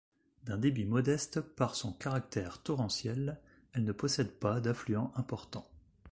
D'un débit modeste par son caractère torrentiel, elle ne possède pas d'affluent important.